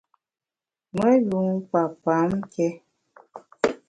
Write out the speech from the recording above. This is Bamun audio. Me yun kpa pam nké.